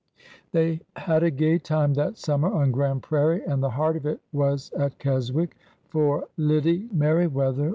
They had a gay time that summer on Grand Prairie, and the heart of it was at Keswick, for Lide Merriweather 140 ORDER NO.